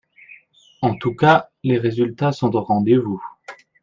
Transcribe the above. En tout cas, les résultats sont au rendez-vous